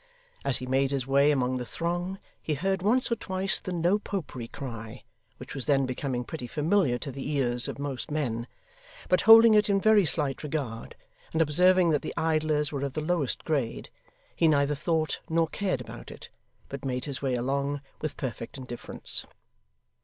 As he made his way among the throng, he heard once or twice the No Popery cry, which was then becoming pretty familiar to the ears of most men; but holding it in very slight regard, and observing that the idlers were of the lowest grade, he neither thought nor cared about it, but made his way along, with perfect indifference.